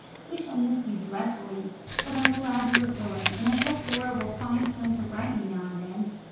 We shall miss you dreadfully, but I'm glad you are going, and I hope Laura will find time to write me now and then.